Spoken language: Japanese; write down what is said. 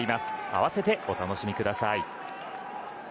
あわせてお楽しみください。